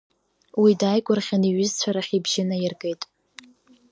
Уи дааигәырӷьан иҩызцәа рахь ибжьы наиргеит…